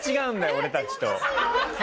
俺たちと。